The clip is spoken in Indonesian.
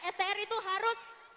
str itu harus ada